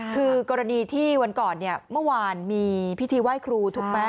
คือกรณีที่วันก่อนเนี่ยเมื่อวานมีพิธีไหว้ครูถูกไหม